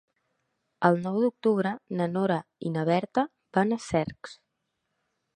El nou d'octubre na Nora i na Berta van a Cercs.